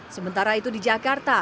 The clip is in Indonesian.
sementara itu di jakarta